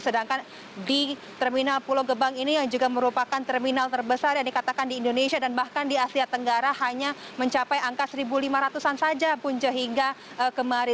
sedangkan di terminal pulau gebang ini yang juga merupakan terminal terbesar yang dikatakan di indonesia dan bahkan di asia tenggara hanya mencapai angka satu lima ratus an saja punca hingga kemarin